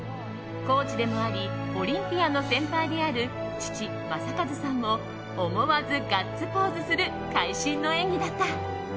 コーチでもありオリンピアンの先輩である父・正和さんも思わず、ガッツポーズする会心の演技だった。